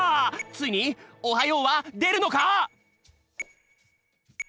ついに「おはよう」はでるのか！？